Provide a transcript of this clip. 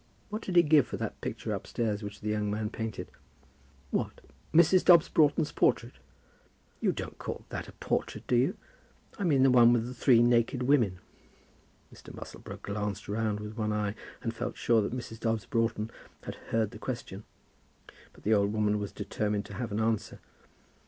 What did he give for that picture upstairs which the young man painted?" "What, Mrs. Dobbs Broughton's portrait?" "You don't call that a portrait, do you? I mean the one with the three naked women?" Mr. Musselboro glanced round with one eye, and felt sure that Mrs. Dobbs Broughton had heard the question. But the old woman was determined to have an answer.